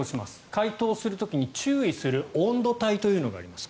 解凍する時に注意する温度帯というのがあります。